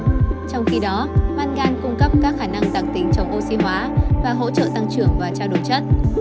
trong khi đó mangan cung cấp các khả năng đặc tính trong oxy hóa và hỗ trợ tăng trưởng và trao đổi chất